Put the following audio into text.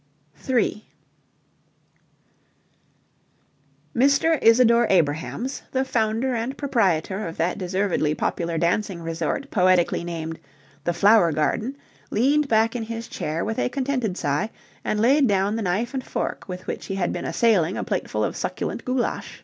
3 Mr. Isadore Abrahams, the founder and proprietor of that deservedly popular dancing resort poetically named "The Flower Garden," leaned back in his chair with a contented sigh and laid down the knife and fork with which he had been assailing a plateful of succulent goulash.